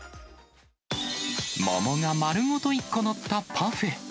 桃が丸ごと１個載ったパフェ。